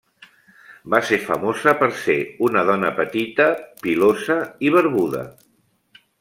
Va ser famosa per ser una dona petita, pilosa i barbuda.